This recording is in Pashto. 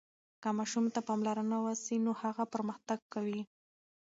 که ماشوم ته پاملرنه وسي نو هغه پرمختګ کوي.